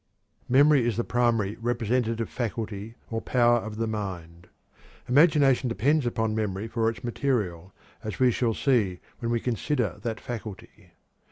Memory is the primary representative faculty or power of the mind. Imagination depends upon memory for its material, as we shall see when we consider that faculty.